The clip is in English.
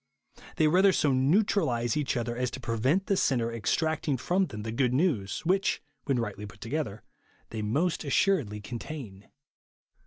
They rather so neutralise each other as to prevent the sinner extract ing from them the good news which, when rightly put together, they most assuredly contain.